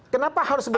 kenapa harus disebut